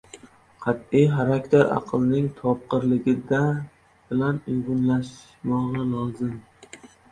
Qat’iy xarakter aqlning topqirligi bilan uyg‘unlashmog‘i lozim.